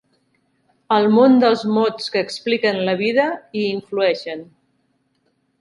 El món dels mots que expliquen la vida i hi influeixen.